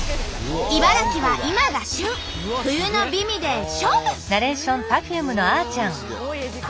茨城は今が旬冬の美味で勝負。